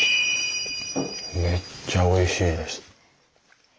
めっちゃおいしいです。